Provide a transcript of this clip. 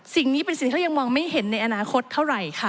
สิ่งนี้เป็นสิ่งที่เรายังมองไม่เห็นในอนาคตเท่าไหร่ค่ะ